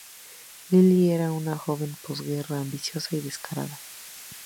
Lilli era una joven de posguerra, ambiciosa y descarada.